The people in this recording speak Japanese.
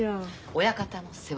親方の世話。